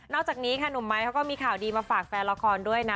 อกจากนี้ค่ะหนุ่มไม้เขาก็มีข่าวดีมาฝากแฟนละครด้วยนะ